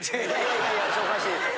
いやいやそれおかしい。